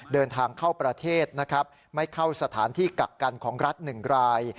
เดินทางเข้าประเทศนะครับไม่เข้าสถานที่กักกันของรัฐ๑ราย